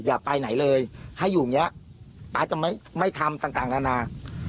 อย่าไปไหนเลยถ้าอยู่เงี้ยป๊าจะไม่ไม่ทำต่างต่างนานา